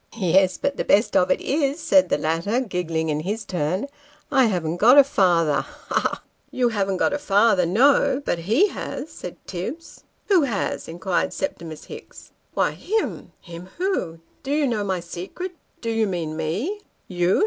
Yes ; but the best of it is," said the latter, giggling in his turn, " I haven't got a father he ! he ! he !" You haven't got a father. No ; but lie has," said Tibbs. Who has ?" inquired Septimus Hicks. ' Why him." Him, who ? Do you know my secret ? Do you mean me ?"; You